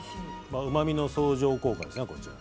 うまみの相乗効果ですね。